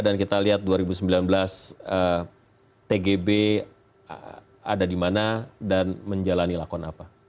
dan kita lihat dua ribu sembilan belas tgb ada di mana dan menjalani lakon apa